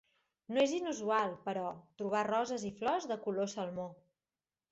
No és inusual, però, trobar roses i flors de color salmó.